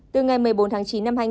từ ngày một mươi bốn tháng chín